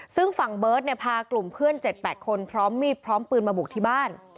ซึ่งฝั่งเบิร์ตพากลุ่มเพื่อน๗๘คนพร้อมมีดพร้อมปืนมาบุกที่บ้าน